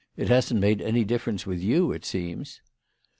It hasn't made any difference with you, it seems."